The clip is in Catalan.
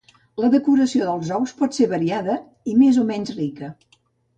La decoració dels ous pot ser variada i més o menys rica.